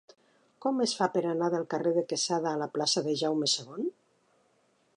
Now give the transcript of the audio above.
Com es fa per anar del carrer de Quesada a la plaça de Jaume II?